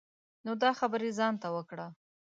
نو دا خبری ځان ته وکړه.